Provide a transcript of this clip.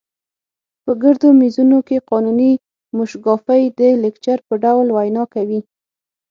په ګردو میزونو کې قانوني موشګافۍ د لیکچر په ډول وینا کوي.